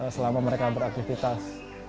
selama mereka beraktivitas